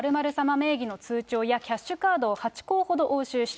名義の通帳やキャッシュカードを８行ほど押収した。